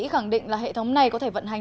khẳng định là hệ thống này có thể vận hành